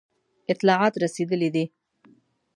اطلاعات رسېدلي دي.